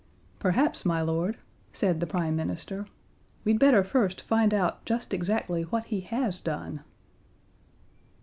"Perhaps, my Lord," said the Prime Minister, "we'd better first find out just exactly what he has done."